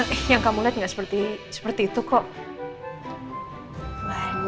iya kamu liatnya seperti seperti itu kok